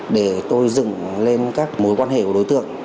để tôi dựng lên các mối quan hệ của đối tượng